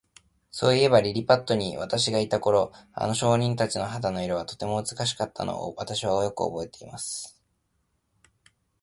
そういえば、リリパットに私がいた頃、あの小人たちの肌の色は、とても美しかったのを、私はよくおぼえています。